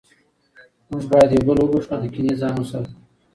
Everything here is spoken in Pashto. موږ باید یو بل وبخښو او له کینې ځان وساتو